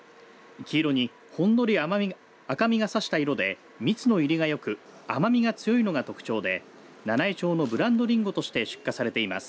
黄色にほんのり赤みがさした色で蜜の入りがよく甘みが強いのが特徴で、七飯町のブランドりんごとして出荷されています。